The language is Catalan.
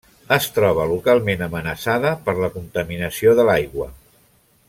Es troba localment amenaçada per la contaminació de l'aigua.